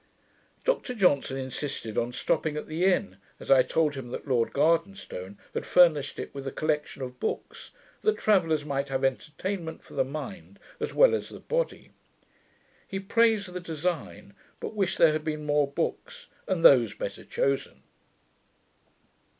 Dr Johnson insisted on stopping at the inn, as I told him that Lord Gardenston had furnished it with a collection of books, that travellers might have entertainment for the mind, as well as the body. He praised the design, but wished there had been more books, and those better chosen.